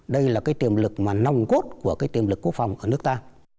đây là tiềm lực mà nông cốt của tiềm lực quốc phòng ở nước ta